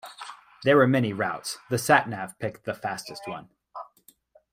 There were many routes, the sat-nav picked the fastest one.